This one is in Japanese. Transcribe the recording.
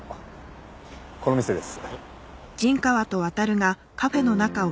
この店です。